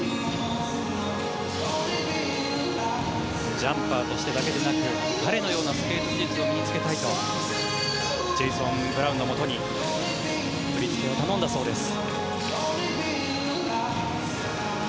ジャンパーとしてだけでなく彼のようなスケート技術を身に付けたいとジェイソン・ブラウンのもとに振り付けを頼んだそうです。